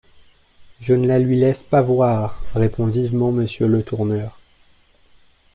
Je ne la lui laisse pas voir! répond vivement Monsieur Letourneur.